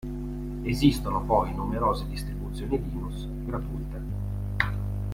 Esistono poi numerose distribuzioni Linux gratuite.